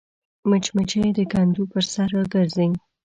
مچمچۍ د کندو پر سر راګرځي